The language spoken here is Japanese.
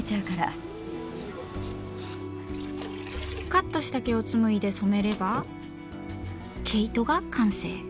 カットした毛をつむいで染めれば毛糸が完成。